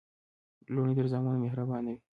لوڼي تر زامنو مهربانه وي.